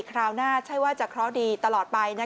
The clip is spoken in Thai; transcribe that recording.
คราวหน้าใช่ว่าจะเคราะห์ดีตลอดไป